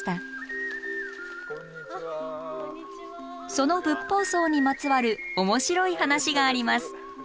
その「仏法僧」にまつわる面白い話があります。